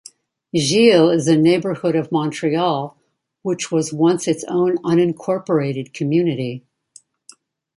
Gile is a neighborhood of Montreal which was once its own unincorporated community.